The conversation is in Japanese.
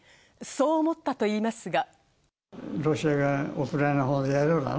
そう思ったといいますが。